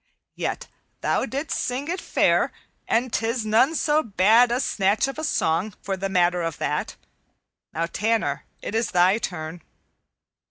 Yet, thou didst sing it fair, and 'tis none so bad a snatch of a song, for the matter of that. Now, Tanner, it is thy turn."